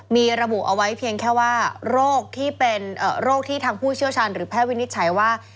มีระบุเอาไว้เพียงแค่ว่าโรคที่เป็นโรคที่ทางผู้เชี่ยวชาญหรือแพทย์วินิจฉัยว่า